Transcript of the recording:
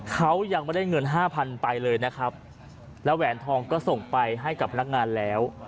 เขายังไม่ได้เงินห้าพันไปเลยนะครับแล้วแหวนทองก็ส่งไปให้กับพนักงานแล้ว